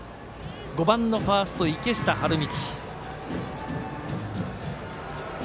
５番のファースト、池下春道。